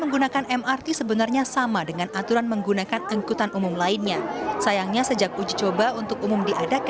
jangan berdiri di kawasan hijau ini